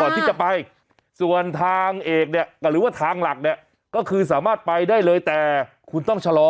ก่อนที่จะไปส่วนทางเอกเนี่ยก็หรือว่าทางหลักเนี่ยก็คือสามารถไปได้เลยแต่คุณต้องชะลอ